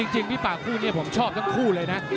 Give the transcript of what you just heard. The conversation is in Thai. จริงพี่ปากคู่นี้ผมชอบทั้งคู่เลยนะ